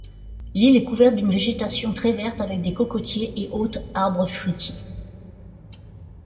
L'île est couverte d'une végétation très verte avec des cocotiers et autres arbres fruitiers.